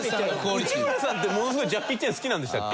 内村さんってものすごいジャッキー・チェン好きなんでしたっけ？